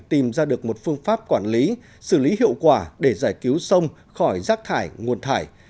tìm ra được một phương pháp quản lý xử lý hiệu quả để giải cứu sông khỏi rác thải nguồn thải